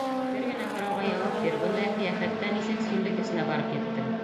Тик бер генә һорауға яуап бир, бындай ҡиәфәттә нисек сүллек эсенә барып еттең?